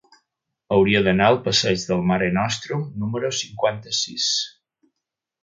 Hauria d'anar al passeig del Mare Nostrum número cinquanta-sis.